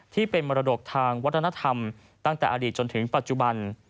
ที่เป็นมรดกทางวัฒนธรรมตั้งแต่อดีตจนถึงปัจจุบัน